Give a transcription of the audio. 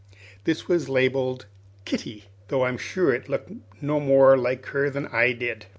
This was labelled "Kitty," though I'm sure it looked no more like her than I did.